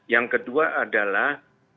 yang kedua adalah